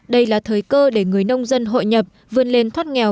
đây là thời cơ để người nông dân hội nhập vươn lên thoát nghèo